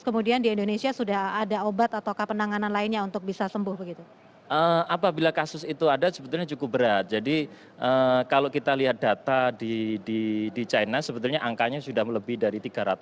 pernah datang dari negara yang terjangkit